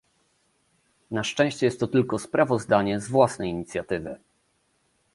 Na szczęście jest to tylko sprawozdanie z własnej inicjatywy